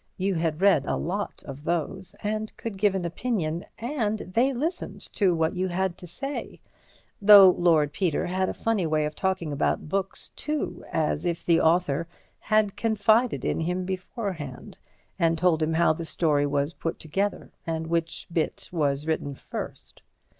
You had read a lot of those, and could give an opinion, and they listened to what you had to say, though Lord Peter had a funny way of talking about books, too, as if the author had confided in him beforehand, and told him how the story was put together, and which bit was written first.